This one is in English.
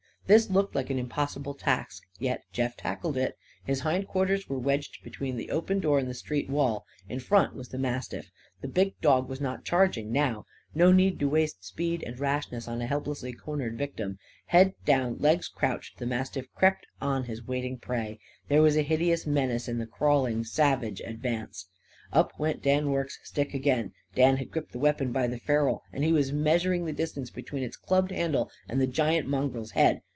This looked like an impossible task, yet Jeff tackled it. His hind quarters were wedged between the open door and the street wall. In front was the mastiff. The big dog was not charging now. No need to waste speed and rashness on a helplessly cornered victim. Head down, legs crouched, the mastiff crept on his waiting prey. There was a hideous menace in the crawlingly savage advance. Up went Dan Rorke's stick again. Dan had gripped the weapon by the ferrule and he was measuring the distance between its clubbed handle and the giant mongrel's head.